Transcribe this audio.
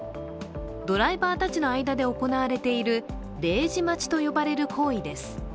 ドライバーたちの間で行われている０時待ちと呼ばれる行為です。